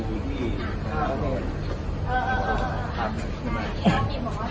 กำชัพจะเขา